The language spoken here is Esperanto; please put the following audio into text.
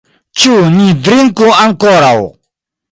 Ĉu ni drinku ankoraŭ?